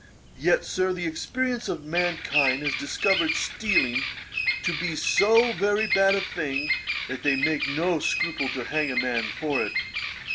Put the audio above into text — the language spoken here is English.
Yet, Sir, the experience of mankind has discovered stealing to be so very bad a thing, that they make no scruple to hang a man for it.